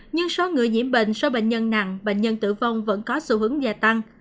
nhưng số người nhiễm bệnh số bệnh nhân nặng bệnh nhân tử vong vẫn có xu hướng gia tăng